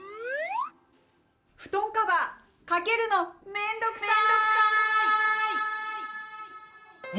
布団カバーかけるの面倒くさい！